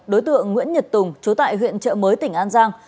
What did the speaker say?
đối tượng nguyễn nhật tùng chố tại huyện chợ mới tỉnh an giang